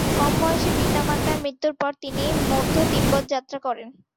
কম বয়সে পিতামাতার মৃত্যুর পর তিনি মধ্য তিব্বত যাত্রা করেন।